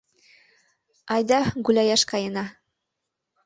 Айда гуляяш каена.